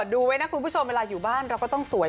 ดูไว้นะคุณผู้ชมเวลาอยู่บ้านเราก็ต้องสวย